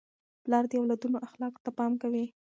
پلار د اولادونو اخلاقو ته پام کوي.